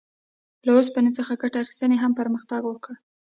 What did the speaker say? له اوسپنې څخه ګټې اخیستنې هم پرمختګ وکړ.